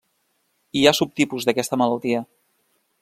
Hi ha subtipus d'aquesta malaltia.